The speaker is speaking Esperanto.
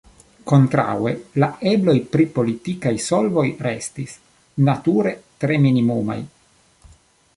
Kontraŭe, la ebloj pri politikaj solvoj restis, nature, tre minimumaj.